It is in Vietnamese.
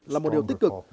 là một điều tích cực